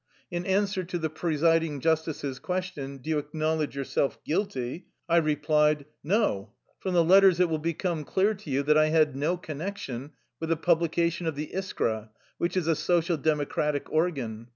In answer to the presiding justice's question: " Do you acknowledge yourself guilty? " I replied : "No. From the letters it will become clear to you that I had no connection with the publi cation of the Ishra, which is a Social Democratic organ.